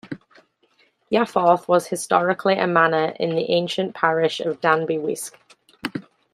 Yafforth was historically a manor in the ancient parish of Danby Wiske.